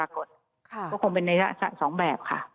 ก็คงเป็นนัย๒แบบค่ะ